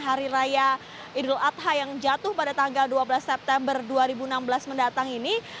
hari raya idul adha yang jatuh pada tanggal dua belas september dua ribu enam belas mendatang ini